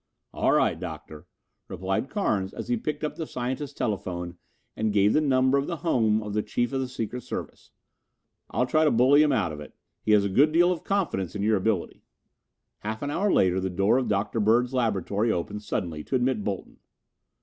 "All right, Doctor," replied Carnes as he picked up the scientist's telephone and gave the number of the home of the Chief of the Secret Service. "I'll try to bully him out of it. He has a good deal of confidence in your ability." Half an hour later the door of Dr. Bird's laboratory opened suddenly to admit Bolton.